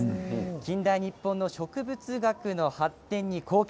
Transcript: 近代日本の植物学の発展に貢献。